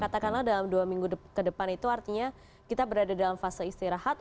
katakanlah dalam dua minggu ke depan itu artinya kita berada dalam fase istirahat